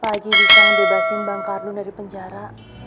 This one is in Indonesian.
pak haji bisa dibasing bang kardun dari penjara